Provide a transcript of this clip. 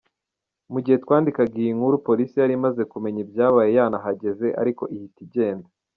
Mu gihe twandikaga iyi nkuru polisi yari yamaze kumenya ibyabaye yanahageze, ariko ihita igenda.